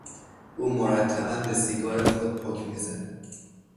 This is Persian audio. او مرتبا به سیگار خود پک میزد.